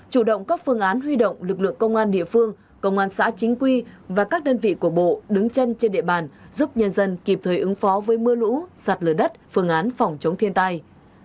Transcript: chủ động các phương án huy động lực lượng công an địa phương công an xã chính quy và các đơn vị của bộ đứng chân trên địa bàn giúp nhân dân kịp thời ứng phó với mưa lũ sạt lở đất phương án phòng chống thiên tai